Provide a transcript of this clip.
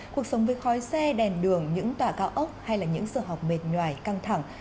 cuộc sống với khói xe đèn đường những tòa cao ốc hay là những giờ học mệt nhòai căng thẳng